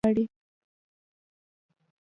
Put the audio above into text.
مهمه باریکي: وخت صبر غواړي او صبر وخت غواړي